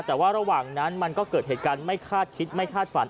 แต่ว่าระหว่างนั้นมันก็เกิดเหตุการณ์ไม่คาดคิดไม่คาดฝัน